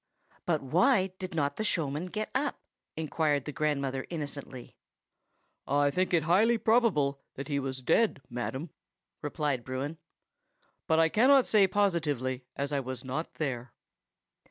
"But why did not the showman get up?" inquired the grandmother innocently. "I think it highly probable that he was dead, madam," replied Bruin. "But I cannot say positively, as I was not there.